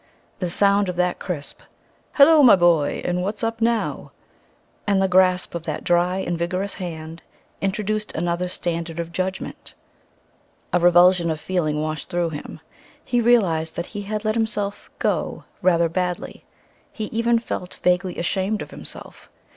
The sound of that crisp "Hulloa, my boy! And what's up now?" and the grasp of that dry and vigorous hand introduced another standard of judgment. A revulsion of feeling washed through him. He realized that he had let himself "go" rather badly. He even felt vaguely ashamed of himself.